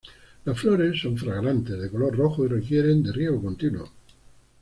Las flores son fragantes, de color rojo y requieren de riego continuo.